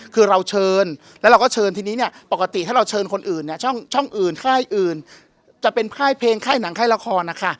คือเราเชิญแล้วเราก็เชิญทีนี้เนี่ยปกติถ้าเราเชิญคนอื่นเนี่ยช่องอื่นค่ายอื่นจะเป็นค่ายเพลงค่ายหนังค่ายละครนะคะ